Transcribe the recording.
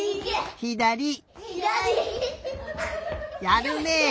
やるねえ。